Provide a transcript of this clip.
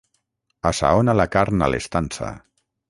Assaona la carn a l'estança.